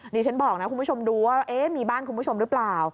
นี่ฉันบอกนะคุณผู้ชมดูว่ามีบ้านคุณผู้ชมหรือเปล่า